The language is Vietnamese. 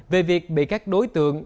về việc bị các đối tượng